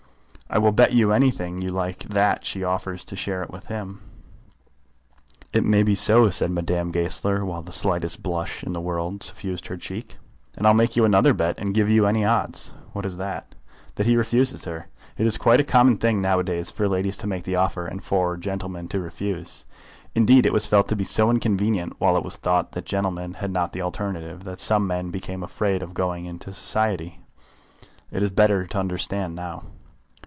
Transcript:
I will bet you anything you like that she offers to share it with him." "It may be so," said Madame Goesler, while the slightest blush in the world suffused her cheek. "And I'll make you another bet, and give you any odds." "What is that?" "That he refuses her. It is quite a common thing nowadays for ladies to make the offer, and for gentlemen to refuse. Indeed, it was felt to be so inconvenient while it was thought that gentlemen had not the alternative, that some men became afraid of going into society. It is better understood now."